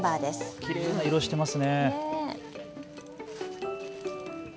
きれいな色していますね。